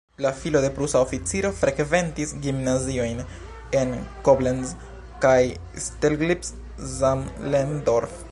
La filo de prusa oficiro frekventis gimnaziojn en Koblenz kaj Steglitz-Zehlendorf.